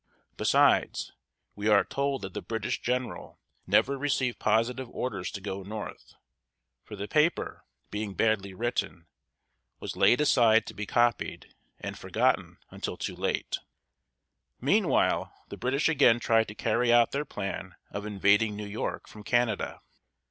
Besides, we are told that the British general never received positive orders to go north, for the paper, being badly written, was laid aside to be copied, and forgotten until too late. Meanwhile the British again tried to carry out their plan of invading New York from Canada.